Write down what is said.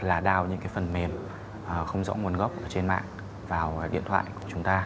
hoặc là đăng nhập vào những cái phần mềm không rõ nguồn gốc trên mạng vào điện thoại của chúng ta